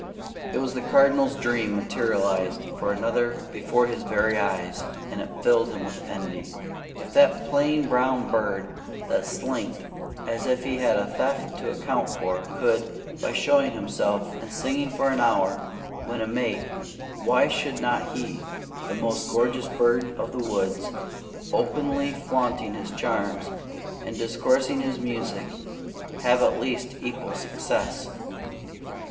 It was the Cardinal's dream materialized for another before his very eyes, and it filled him with envy. If that plain brown bird that slinked as if he had a theft to account for, could, by showing himself and singing for an hour, win a mate, why should not he, the most gorgeous bird of the woods, openly flaunting his charms and discoursing his music, have at least equal success?